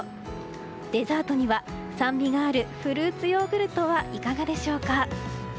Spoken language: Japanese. デザートには、酸味があるフルーツヨーグルトはいかがでしょうか。